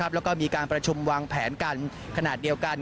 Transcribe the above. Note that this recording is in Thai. แล้วก็มีการประชุมวางแผนกันขนาดเดียวกัน